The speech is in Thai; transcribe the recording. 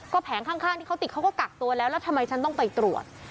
แผงข้างที่เขาติดเขาก็กักตัวแล้วแล้วทำไมฉันต้องไปตรวจ